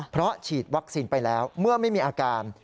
เพราะฉีดวัคซีนไปแล้วเมื่อไม่มีอาการ